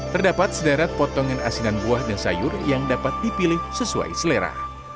terdapat sederet potongan asinan buah dan sayur yang dapat dipilih sesuai selera